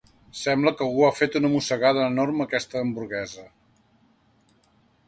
Sembla que algú ha fet una mossegada enorme a aquesta hamburguesa.